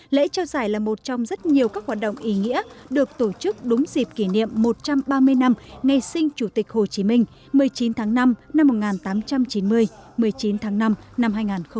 lễ trao giải là một trong rất nhiều các hoạt động ý nghĩa được tổ chức đúng dịp kỷ niệm một trăm ba mươi năm ngày sinh chủ tịch hồ chí minh một mươi chín tháng năm năm một nghìn tám trăm chín mươi một mươi chín tháng năm năm hai nghìn hai mươi